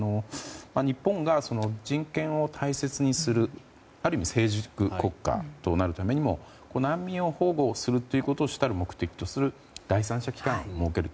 日本が人権を大切にするある意味成熟国家となるためにも難民を保護するということを主たる目的とする第三者機関を設ける。